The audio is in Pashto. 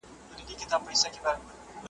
دېوال نم زړوي خو انسان غم زړوي